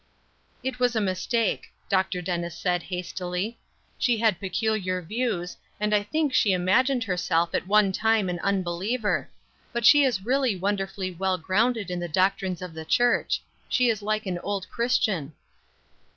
"It was a mistake," Dr. Dennis said, hastily. "She had peculiar views, and I think she imagined herself at one time an unbeliever; but she is really wonderfully well grounded in the doctrines of the church; she is like an old Christian."